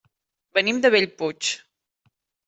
Venim de Bellpuig.